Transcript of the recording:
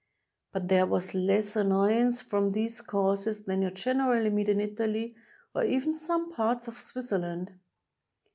But there was less annoyance from these causes than you generally meet in Italy, or even some parts of Switzerland.